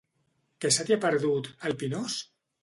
Què se t'hi ha perdut, al Pinós?